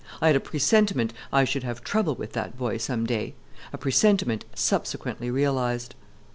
I had a presentiment I should have trouble with that boy some day a presentiment subsequently realized.